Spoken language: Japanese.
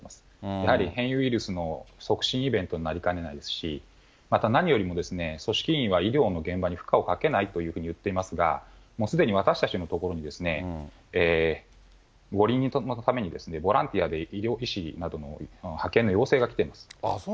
やはり変異ウイルスの促進イベントになりかねないですし、また何よりも、組織委は医療の現場に負荷をかけないと言っていますが、もうすでに私たちの所に、五輪のためにボランティアで医療医師などの派遣の要請が来てるんです。